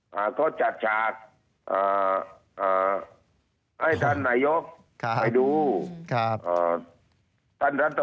เขาจัดฉากให้ท่านนายกไปดู